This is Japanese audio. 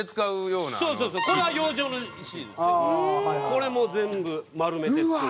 これも全部丸めて作る。